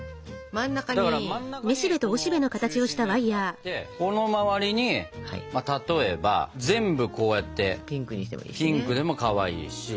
真ん中にこの中心のやつがあってこの周りに例えば全部こうやってピンクでもかわいいし。